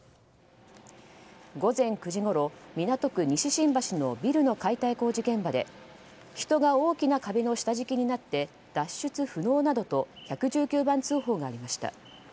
午前９時ごろ、港区西新橋のビルの解体工事現場で人が大きな壁の下敷きになって脱出不能などと１１９番通報がありました。